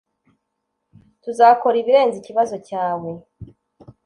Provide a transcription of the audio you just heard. Tuzakora ibirenze ikibazo cyawe.